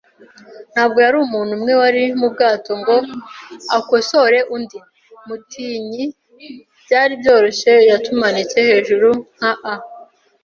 ntabwo yari umuntu umwe wari mu bwato ngo akosore undi. Mutiny, byari byoroshye, yatumanitse hejuru nka a